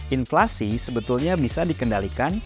inflasi sebetulnya bisa dikendalikan